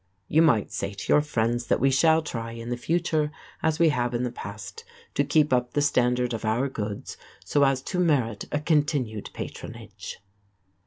You might say to your friends that we shall try in the future as we have in the past to keep up the standard of our goods, so as to merit a continued patronage.